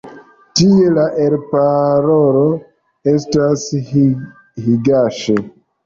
Tie la elparolo estas higaŝi.